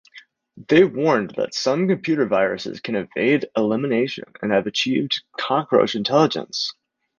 They warned that some computer viruses can evade elimination and have achieved cockroach intelligence.